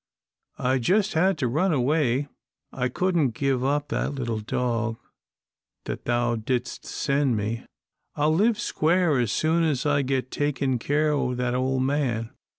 I just had to run away. I couldn't give up that little dog that thou didst send me. I'll live square as soon as I get takin' care o' that ole man.